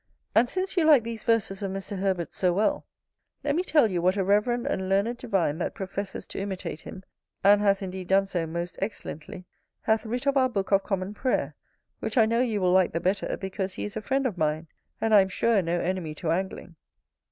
And since you like these verses of Mr. Herbert's so well, let me tell you what a reverend and learned divine that professes to imitate him, and has indeed done so most excellently, hath writ of our book of Common Prayer; which I know you will like the better, because he is a friend of mine, and I am sure no enemy to angling.